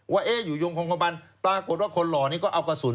ว่าเอ๊ะอยู่ยงคงความพันธุ์ปรากฏว่าคนหล่อนี้ก็เอากระสุน